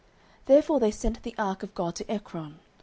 09:005:010 Therefore they sent the ark of God to Ekron.